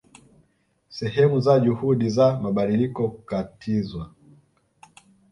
Sehemu za juhudi za mabadiliko kukatizwa